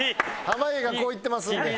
濱家がこう言ってますんで。